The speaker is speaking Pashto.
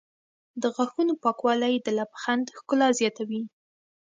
د غاښونو پاکوالی د لبخند ښکلا زیاتوي.